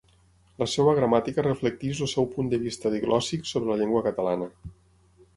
La seva gramàtica reflecteix el seu punt de vista diglòssic sobre la llengua catalana.